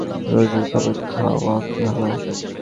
রোজ রোজ খাবার খাওয়া কি ভালো?